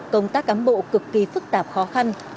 công tác cán bộ cực kỳ phức tạp khó khăn